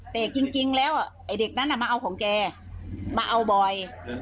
แต่จริงแล้วไอ้เด็กนั้นมาเอาของแกมาเอาบ่อย